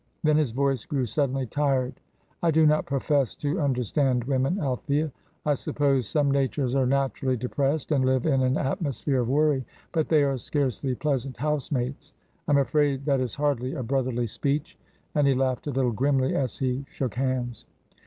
Then his voice grew suddenly tired. "I do not profess to understand women, Althea. I suppose some natures are naturally depressed, and live in an atmosphere of worry; but they are scarcely pleasant house mates. I am afraid that is hardly a brotherly speech;" and he laughed a little grimly as he shook hands.